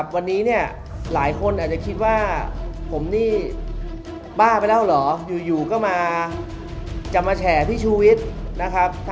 วันนี้หลายคนอาจจะคิดว่าผมนี่บ้าไปแล้วเหรออยู่ก็จะมาแชร์พี่ชูวิทย์